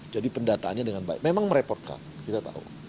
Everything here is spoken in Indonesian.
jadi pendataannya dengan baik memang merepotkan kita tahu